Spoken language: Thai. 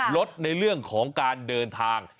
ลดในเรื่องของการเดินทาง